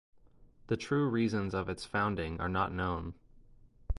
The true reasons of its founding are not known.